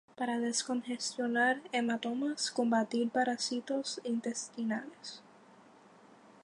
Para descongestionar hematomas, combatir parásitos intestinales.